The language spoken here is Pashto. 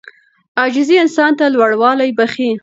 عاجزي انسان ته لوړوالی بښي.